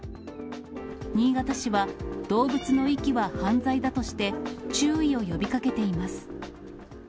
新潟市は、動物の遺棄は犯罪だとして、注意を呼びかけています。